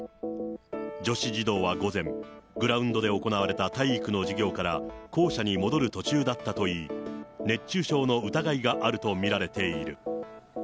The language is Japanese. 女子児童は午前、グラウンドで行われた体育の授業から校舎に戻る途中だったといい、熱中症の疑いがあると見られている。